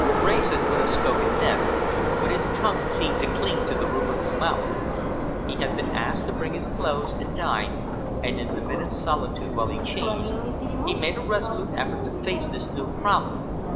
Wrayson would have spoken then, but his tongue seemed to cling to the roof of his mouth. He had been asked to bring his clothes and dine, and in the minutes' solitude while he changed, he made a resolute effort to face this new problem.